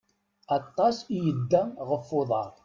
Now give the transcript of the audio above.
Aṭas i yedda ɣef uḍaṛ.